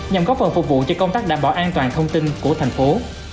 nhằm góp phần phục vụ cho công tác đảm bảo an toàn thông tin của thành phố